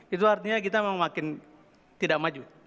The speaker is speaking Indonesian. itu artinya kita memakin tidak maju